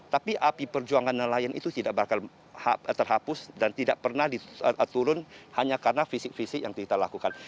tapi api perjuangan nelayan itu tidak bakal terhapus dan tidak pernah turun hanya karena fisik fisik yang kita lakukan